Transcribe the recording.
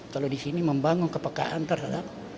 kalau di sini membangun kepekaan terhadap